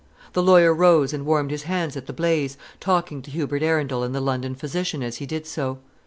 The lawyer rose and warmed his hands at the blaze, talking to Hubert Arundel and the London physician as he did so.